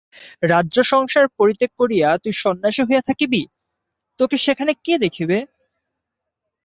রাজ্য সংসার পরিত্যাগ করিয়া তুই সন্ন্যাসী হইয়া থাকিবি, তোকে সেখানে কে দেখিবে?